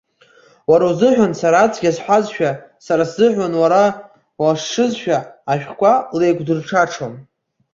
Уара узыҳәан сара ацәгьа сҳәазшәа, сара сзыҳәан уара уашшызшәа ашәҟәқәа леиқәдырҽаҽон.